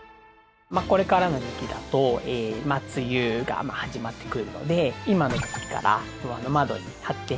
これからの時期だと梅雨が始まってくるので今の時期から窓に貼って。